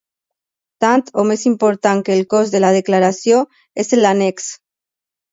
Tant o més important que el cos de la declaració és l’annex.